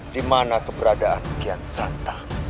dimana keberadaan kian santang